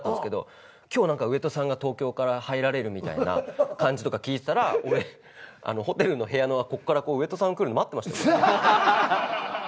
今日上戸さんが東京から入られるみたいな感じとか聞いてたら俺ホテルの部屋のここから上戸さん来るの待ってました。